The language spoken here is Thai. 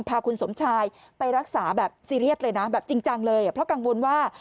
พาคุณสมชายไปรักษาแบบซีเรียสเลยนะแบบจริงจังเลยเพราะกังวลว่า